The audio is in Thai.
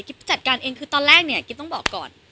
กิ๊บจัดการเองคือตอนแรกกิ๊บต้องบอกก่อน